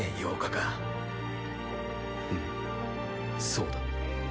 んそうだ。